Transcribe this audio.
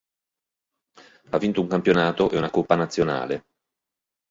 Ha vinto un campionato e una coppa nazionale.